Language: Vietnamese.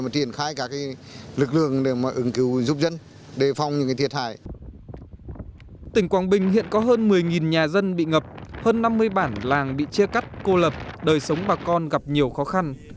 tỉnh quảng bình hiện có hơn một mươi nhà dân bị ngập hơn năm mươi bản làng bị chia cắt cô lập đời sống bà con gặp nhiều khó khăn